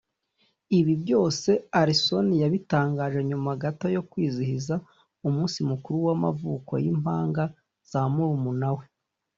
Ibi byose Alison yabitangaje nyuma gato yo kwizihiza umunsi mukuru w’amavuko w’impanga za murumuna we